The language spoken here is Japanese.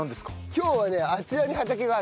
今日はねあちらに畑がある。